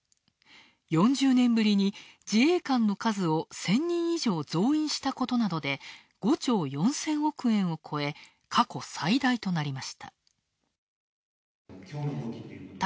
４０年ぶりに自衛官の数を１０００人以上増員したことなどで５兆４０００億円を超え、過去最大となりました。